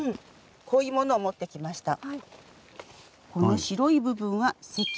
こういうものを持ってきました。